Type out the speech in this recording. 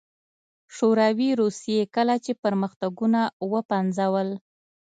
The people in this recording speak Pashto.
شوروي روسيې کله چې پرمختګونه وپنځول